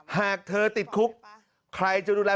หากเธอติดคุกใครจะดูแล